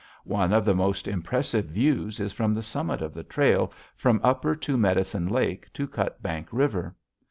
One of the most impressive views is from the summit of the trail from Upper Two Medicine Lake to Cutbank River.